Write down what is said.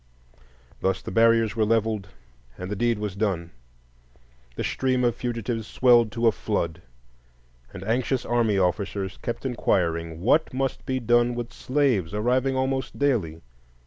Thus the barriers were levelled and the deed was done. The stream of fugitives swelled to a flood, and anxious army officers kept inquiring: "What must be done with slaves, arriving almost daily?